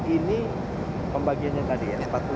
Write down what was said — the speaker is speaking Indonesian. ini pembagiannya tadi ya